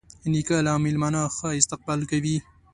نیکه له میلمانه ښه استقبال کوي.